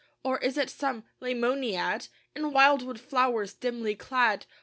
Or is it some Leimoniad In wildwood flowers dimly clad?